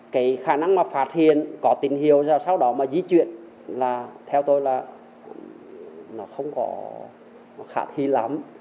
cái khả năng mà phạt hiền có tình hiệu rồi sau đó mà di chuyển là theo tôi là nó không có khả thi lắm